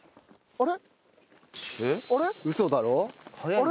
あれ？